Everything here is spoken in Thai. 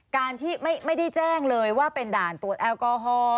การที่ไม่ได้แจ้งเลยว่าเป็นด่านตรวจแอลกอฮอล์